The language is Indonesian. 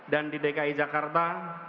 dan di dki jakarta